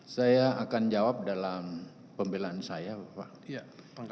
saya akan jawab dalam pembelaan saya bapak